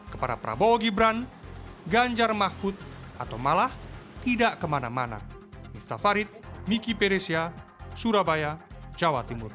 kepada prabowo gibran ganjar mahfud atau malah tidak kemana mana